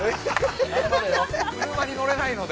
車に乗れないので。